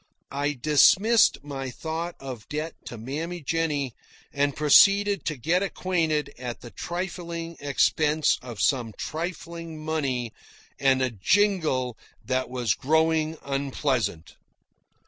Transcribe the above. I dismissed my thought of debt to Mammy Jennie and proceeded to get acquainted at the trifling expense of some trifling money and a jingle that was growing unpleasant.